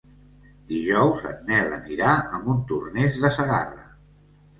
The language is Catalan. Dijous en Nel anirà a Montornès de Segarra.